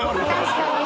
確かに。